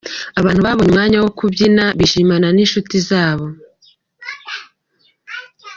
Abantu babonye umwanya wo kubyina, bishimana n'inshuti zabo.